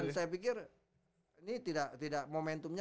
dan saya pikir ini tidak momentumnya